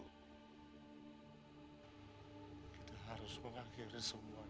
kita harus mengakhiri semua ini